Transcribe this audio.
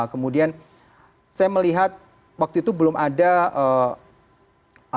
kemudian saya melihat waktu itu belum ada aparat aparat gitu ya tni dan sebagainya datang untuk melihat